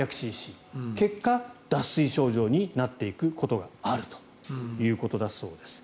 結果、脱水症状になっていくことがあるということだそうです。